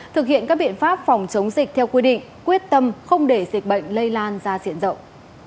thực hiện các biện pháp phòng chống dịch theo quy định quyết tâm không để dịch bệnh lây lan ra diện rộng